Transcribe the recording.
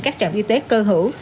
các trạm y tế cơ hữu